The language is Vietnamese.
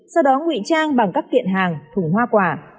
sau đó ngụy trang bằng các kiện hàng thùng hoa quả